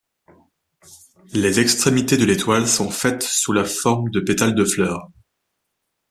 Les extrémités de l'étoile sont faites sous la forme de pétales de fleurs.